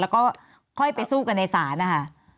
แล้วก็ค่อยไปสู้กันในศาลนะคะ